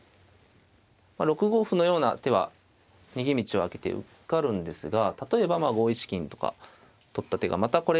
６五歩のような手は逃げ道をあけて受かるんですが例えば５一金とか取った手がまたこれがね